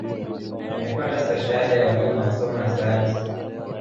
Alipata stashahada ya ualimu wa wa nasomo ya sayansi